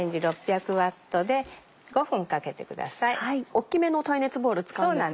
大っきめの耐熱ボウル使うんですね。